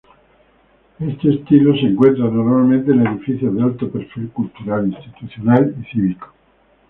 Este estilo se encuentra normalmente en edificios de alto perfil cultural, institucional y cívico.